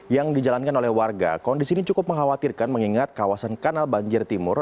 yang dijalankan oleh warga kondisi ini cukup mengkhawatirkan mengingat kawasan kanal banjir timur